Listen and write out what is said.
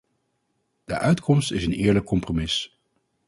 De uitkomst is een eerlijk compromis.